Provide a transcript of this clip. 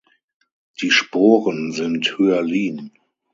Die Sporen sind hyalin.